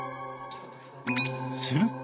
すると。